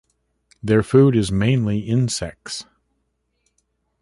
Their food is mainly insects.